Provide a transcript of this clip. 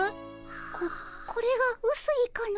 ここれがうすいかの。